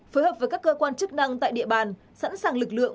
phối hợp với các cơ quan chức năng tại địa bàn sẵn sàng lực lượng